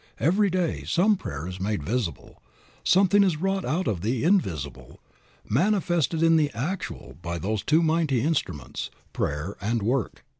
Every day some prayer is made visible, something is wrought out of the invisible, manifested in the actual by those two mighty instruments prayer and work.